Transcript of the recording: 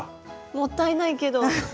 もったいないけど。